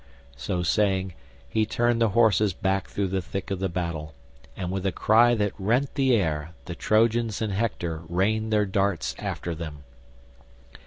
So saying he turned the horses back through the thick of the battle, and with a cry that rent the air the Trojans and Hector rained their darts after them.